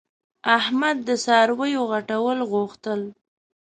احمد د څارویو غټول غوښتل.